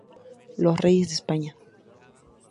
Los Reyes de España.